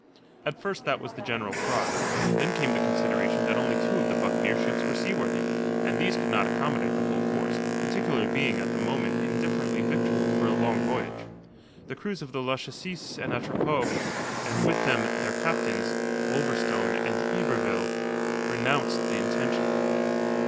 At first that was the general cry. Then came the consideration that only two of the buccaneer ships were seaworthy and these could not accommodate the whole force, particularly being at the moment indifferently victualled for a long voyage. The crews of the Lachesis and Atropos and with them their captains, Wolverstone and Yberville, renounced the intention.